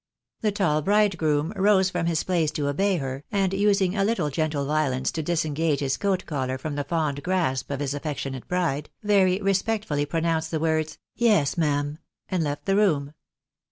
The tall bridegroom rose from his place to obey her, and using a little gentle violence to disengage his coat collar from the fond grasp of his affectionate bride, very respectfully pronounced the ■words " Yes, ma'am," and left the room.